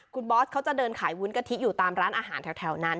คุณบอสเขาจะเดินขายวุ้นกะทิอยู่ตามร้านอาหารแถวนั้น